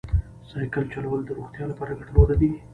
سایکل چلول د روغتیا لپاره ګټور دی.